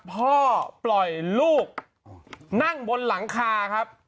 พ่อปล่อยลูกนั่งบนหลังคาครับ